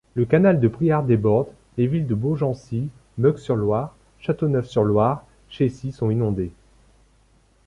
Le canal de Briare déborde, les villes de Beaugency, Meung-sur-Loire, Châteauneuf-sur-Loire, Chécy sont inondées.